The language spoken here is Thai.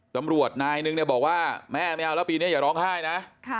ตำรวจนายนึงเนี่ยบอกว่าแม่ไม่เอาแล้วปีนี้อย่าร้องไห้นะ